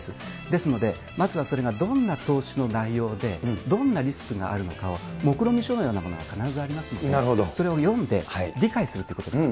ですので、まずはそれがどんな投資の内容で、どんなリスクがあるのかを、目論見書が必ずありますので、それを読んで、理解するということです。